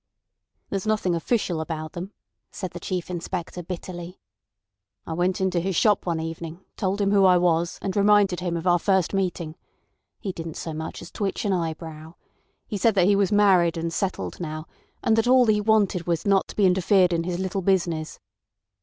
"There's nothing official about them," said the Chief Inspector bitterly. "I went into his shop one evening, told him who I was, and reminded him of our first meeting. He didn't as much as twitch an eyebrow. He said that he was married and settled now, and that all he wanted was not to be interfered in his little business.